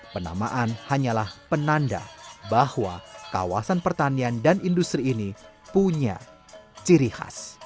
penamaan hanyalah penanda bahwa kawasan pertanian dan industri ini punya ciri khas